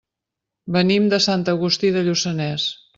Venim de Sant Agustí de Lluçanès.